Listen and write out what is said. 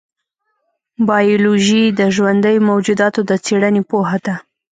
بایولوژي د ژوندیو موجوداتو د څېړنې پوهه ده.